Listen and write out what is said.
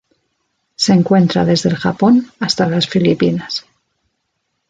Se encuentra desde el Japón hasta las Filipinas.